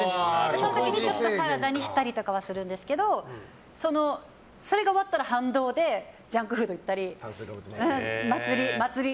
その時に主食をサラダにしたりするんですけどそれが終わったら反動でジャンクフードいったり祭り、祭り。